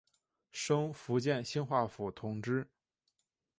升福建兴化府同知。